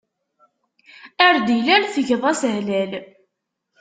Ar d-ilal, tgeḍ-as hlal.